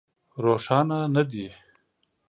روښانه نه دي.